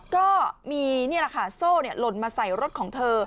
ก็มีเนี่ยล่ะค่ะโซ่ลดมาใส่รถของเธอ